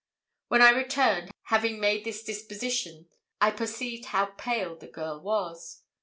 When I returned, having made this dispositions, I perceived how pale the girl was.